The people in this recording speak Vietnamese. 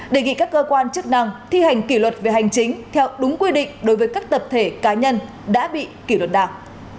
đề nghị các cơ quan chức năng thi hành kỷ luật về hành chính theo đúng quy định đối với các tập thể cá nhân đã bị kỷ luật đảng